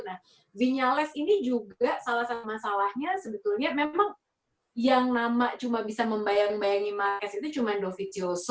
nah vinyales ini juga salah sama salahnya sebetulnya memang yang nama cuma bisa membayang bayangin markquez itu cuma dovizioso